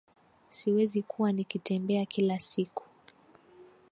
Siwezi kuwa nikitembea kila siku